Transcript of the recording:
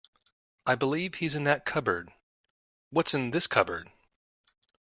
I believe he's in that cupboard. What's in this cupboard?